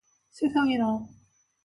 세상에나!